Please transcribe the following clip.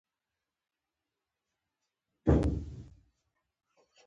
لمر را وخوت.